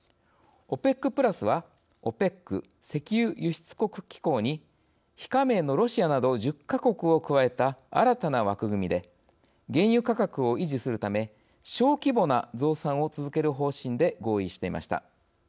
「ＯＰＥＣプラス」はＯＰＥＣ＝石油輸出国機構に非加盟のロシアなど１０か国を加えた新たな枠組みで原油価格を維持するため小規模な増産を続ける方針で合意していました。